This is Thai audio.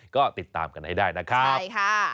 ก็ติดตามกันให้ได้นะครับใช่ค่ะ